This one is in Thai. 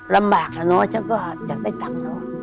ลำบากน่ะฉันก็ใจ้ฝัง